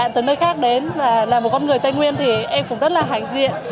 các bạn từ nơi khác đến và là một con người tây nguyên thì em cũng rất là hạnh diện